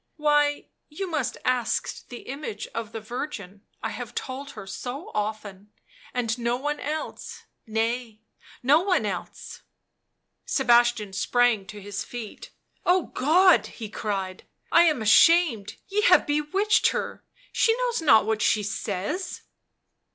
why, you must ask the image of the Virgin — I have told her so often, and no one else; nay, no one else . 77 Sebastian sprang to his feet. 11 Oh God ! 77 he cried. tc I am ashamed — ye have bewitched her — she knows not what she says